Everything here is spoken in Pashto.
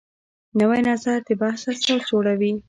نوی نظر د بحث اساس جوړوي